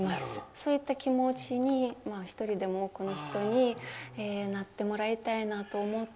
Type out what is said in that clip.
そういった気持ちに一人でも多くの人になってもらいたいなと思って。